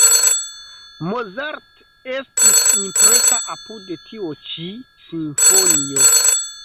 Mozart estis impresa apud tio ĉi simfonio.